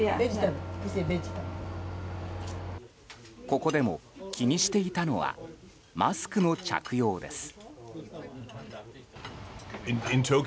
ここでも気にしていたのはマスクの着用です。